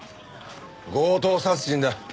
強盗殺人だ。